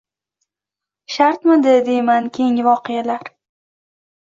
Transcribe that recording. Shartmidi, deyman, keyingi voqealar.